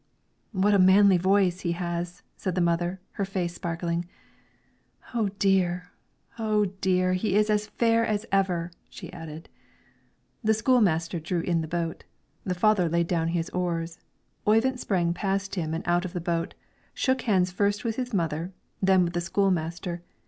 "What a manly voice he has," said the mother, her face sparkling. "O dear, O dear! he is as fair as ever," she added. The school master drew in the boat. The father laid down his oars, Oyvind sprang past him and out of the boat, shook hands first with his mother, then with the school master.